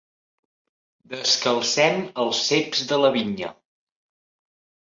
Descalcem els ceps de la vinya.